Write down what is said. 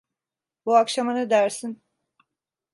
Bu akşama ne dersin?